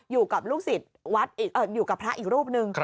อยู่กับลูกศิษย์วัดอยู่กับพระอีกรูปหนึ่ง